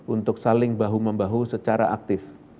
untuk saling bahu membahu secara aktif